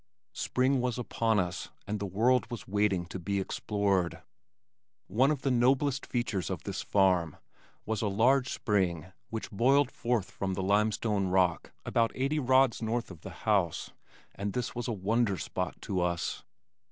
Spring was upon us and the world was waiting to be explored. One of the noblest features of this farm was a large spring which boiled forth from the limestone rock about eighty rods north of the house, and this was a wonder spot to us.